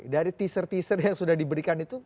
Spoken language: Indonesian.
dari teaser teaser yang sudah diberikan itu